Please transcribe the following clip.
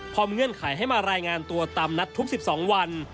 พอเงื่อนไขให้มารายงานตัวตามนัดทุก๑๒วัน